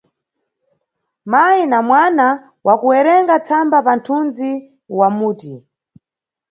Mayi na mwana wakuyerenga tsamba panʼthundzi wa muti.